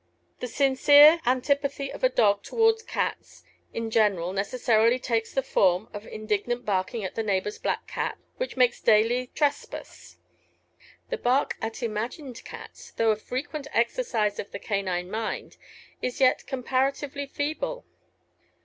The sincere antipathy of a dog toward cats in general, necessarily takes the form of indignant barking at the neighbor's black cat which makes daily trespass; the bark at imagined cats, though a frequent exercise of the canine mind, is yet comparatively feeble.